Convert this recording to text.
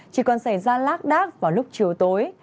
chỉ còn xảy ra lác đác vào lúc chiều tối